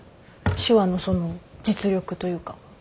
手話のその実力というか。